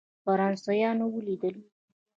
فرانسویان ولیدل.